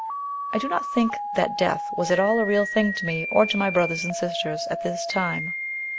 I do not think that death was at all a real thing to me or to my brothers and sisters at this time.